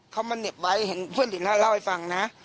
เขามันเหนียบไว้เห็นเพื่อนอีกแล้วเล่าให้ฟังนะ